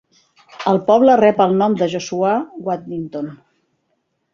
El poble rep el nom de Joshua Waddington.